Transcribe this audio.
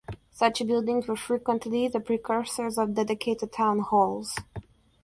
Such buildings were frequently the precursors of dedicated town halls.